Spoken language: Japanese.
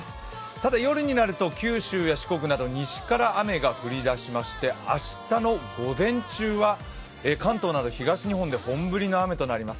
ただ夜になると九州や四国など西から雨が降りだしまして明日の午前中は関東など東日本で本降りの雨となります。